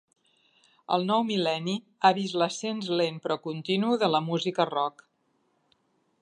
El nou mil·lenni ha vist l'ascens lent però continu de la música rock.